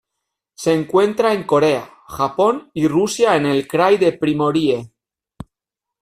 Se encuentra en Corea, Japón y Rusia en el Krai de Primorie.